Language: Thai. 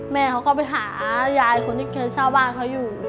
แม่เขาก็ไปหายายคนที่เคยเช่าบ้านเขาอยู่